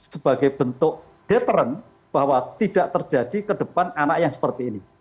sebagai bentuk deteren bahwa tidak terjadi ke depan anak yang seperti ini